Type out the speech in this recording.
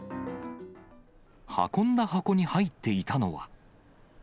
運んだ箱に入っていたのは。